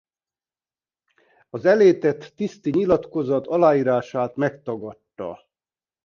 Az elé tett tiszti nyilatkozat aláírását megtagadta.